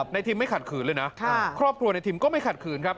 ทิมไม่ขัดขืนเลยนะครอบครัวในทิมก็ไม่ขัดขืนครับ